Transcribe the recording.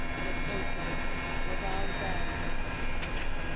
Let go. Slave, or thou Dyest.